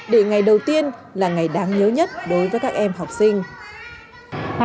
để ngày đầu tiên là ngày đáng nhớ nhất đối với các em học sinh